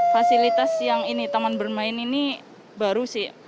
fasilitas yang ini taman bermain ini baru sih